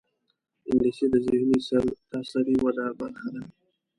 انګلیسي د ذهني سرتاسري وده برخه ده